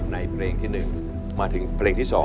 ในเพลงที่๑มาถึงเพลงที่๒